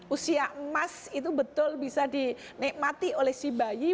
usia emas itu betul bisa dinikmati oleh si bayi